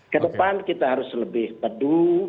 ke depan kita harus lebih pedu